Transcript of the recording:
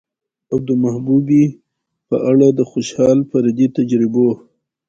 او د محبوبې په اړه د خوشال فردي تجربو